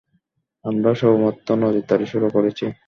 আমরা সবেমাত্র নজরদারি শুরু করেছি।